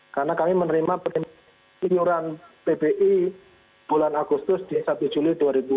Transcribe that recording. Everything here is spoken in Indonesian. karena kami menerima penyeluruhan pbi bulan agustus di satu juli dua ribu dua puluh